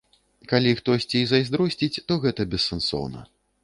Калі хтосьці і зайздросціць, то гэта бессэнсоўна.